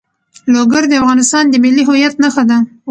لوگر د افغانستان د ملي هویت نښه ده.